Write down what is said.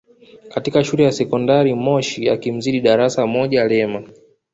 katika Shule ya Sekondari Moshi akimzidi darasa moja Lema